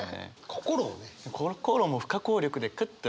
心をね。